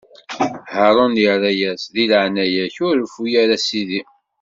Haṛun irra-as: Di leɛnaya-k, ur reffu ara, a sidi!